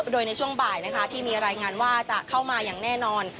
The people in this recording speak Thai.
โดยในช่วงบ่ายนะคะที่มีรายงานว่าจะเข้ามาอย่างแน่นอน